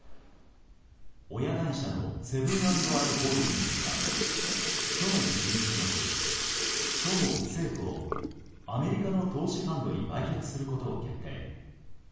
親会社のセブン＆アイ・ホールディングスは去年１１月、そごう・西武をアメリカの投資ファンドに売却することを決定。